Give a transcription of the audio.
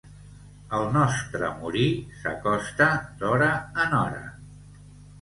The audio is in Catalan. El nostre morir s'acosta d'hora en hora.